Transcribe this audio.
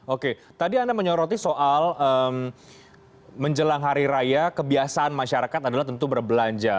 oke tadi anda menyoroti soal menjelang hari raya kebiasaan masyarakat adalah tentu berbelanja